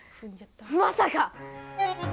まさか！